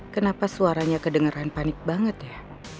kenapa suaranya kedengeran panik banget ya